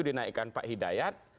dinaikkan pak hidayat